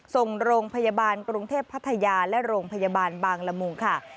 ส่งโรงพยาบาลกรุงเทพพัทยาและโรงพยาบาลบางละมุงค่ะ